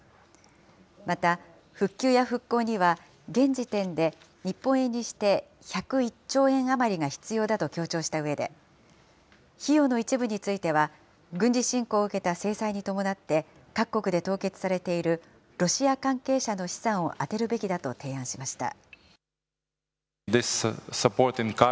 また、復旧や復興には現時点で日本円にして１０１兆円余りが必要だと強調したうえで、費用の一部については、軍事侵攻を受けた制裁に伴って、各国で凍結されているロシア関係者の資産を充てるべきだと提案しました。